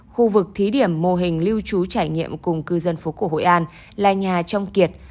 khu vực thí điểm mô hình lưu trú trải nghiệm cùng cư dân phố cổ hội an là nhà trong kiệt